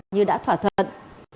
như đã thỏa thuận